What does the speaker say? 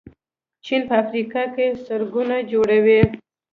چین په افریقا کې سړکونه جوړوي.